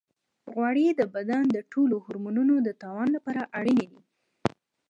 غوړې د بدن د ټولو هورمونونو د توازن لپاره اړینې دي.